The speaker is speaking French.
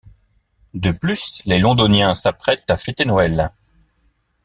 De plus, les Londoniens s'apprêtent à fêter Noël.